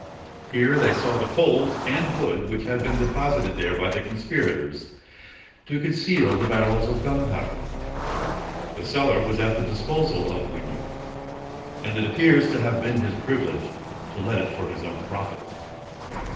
Here they saw the coals and wood which had been deposited there by the conspirators, to conceal the barrels of gunpowder. The cellar was at the disposal of Whinyard: and it appears to have been his privilege to let it for his own profit.